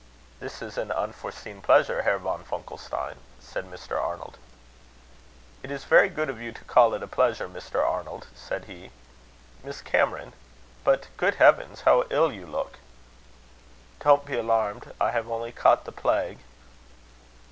"This is an unforeseen pleasure, Herr von Funkelstein," said Mr. Arnold. "It is very good of you to call it a pleasure, Mr. Arnold," said he. "Miss Cameron but, good heavens! how ill you look!" "Don't be alarmed. I have only caught the plague."